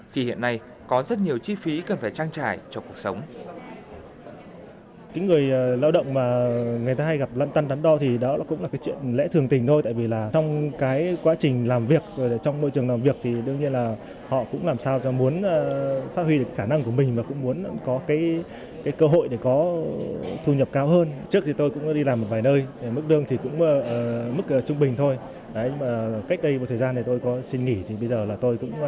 khi hiện nay có rất nhiều chi phí cần phải trang trải cho cuộc sống